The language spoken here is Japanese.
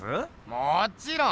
もちろん！